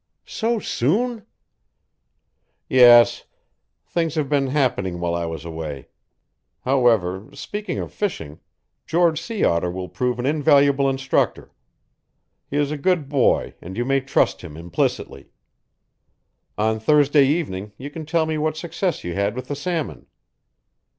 "So soon?" "Yes. Things have been happening while I was away. However, speaking of fishing, George Sea Otter will prove an invaluable instructor. He is a good boy and you may trust him implicitly. On Thursday evening you can tell me what success you had with the salmon."